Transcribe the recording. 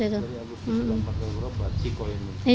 dari agustus sampai bulan ciko ini